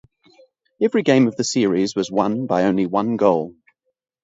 Every game of the series was won by only one goal.